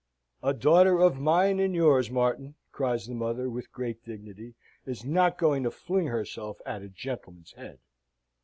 "A daughter of mine and yours, Martin," cries the mother, with great dignity, "is not going to fling herself at a gentleman's head!"